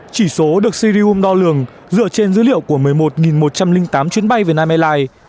chỉ số được sirium đo lường dựa trên dữ liệu của một mươi một một trăm linh tám chuyến bay việt nam airlines